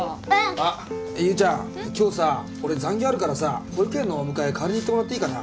今日さ俺残業あるからさ保育園のお迎え代わりに行ってもらっていいかな？